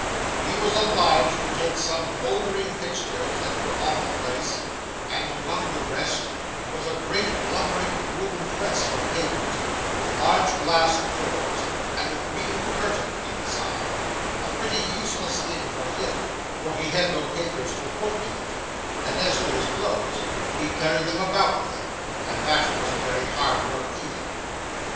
He was obliged to take some mouldering fixtures that were on the place, and, among the rest, was a great lumbering wooden press for papers, with large glass doors, and a green curtain inside; a pretty useless thing for him, for he had no papers to put in it; and as to his clothes, he carried them about with him, and that wasn't very hard work, either.